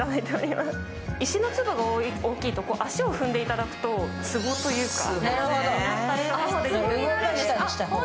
石の粒が大きいと足を踏んでいただくと、ツボというか。